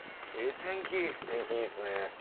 天気いいっすね。